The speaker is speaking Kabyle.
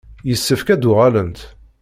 Yessefk ad d-uɣalent.